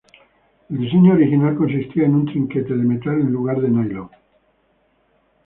El diseño original consistía en un trinquete de metal en lugar de nylon.